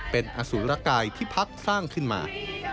เป็นอสุรกายที่พักสร้างขึ้นมา